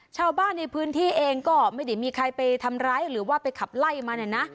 ชาวบ้านในพื้นที่เองก็ไม่ได้มีใครไปทำร้ายหรือว่าไปขับไล่มาเนี่ยนะ